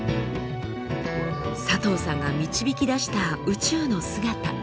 佐藤さんが導き出した宇宙の姿。